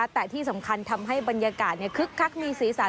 แต่ที่สำคัญทำให้บรรยากาศคึกคักมีสีสัน